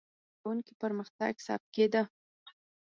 د هر زده کوونکي پرمختګ ثبت کېده.